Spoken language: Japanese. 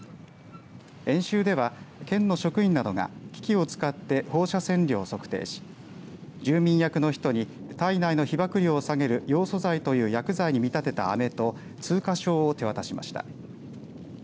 演習では、県の職員などが機器を使って放射線量を測定し住民役の人に体内の被ばく量を下げるヨウ素剤と薬剤に見立てたアメと通過証を手渡しました。